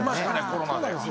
コロナで。